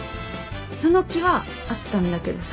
その気はあったんだけどさ